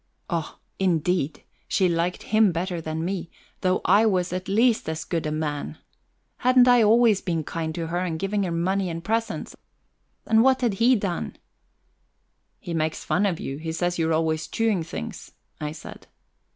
Oh, indeed! She liked him better than me, though I was at least as good a man! Hadn't I always been kind to her, and given her money and presents? And what had he done? "He makes fun of you; he says you're always chewing things," I said.